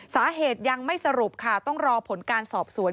สาเหตุยังไม่สรุปค่ะต้องรอผลการสอบสวน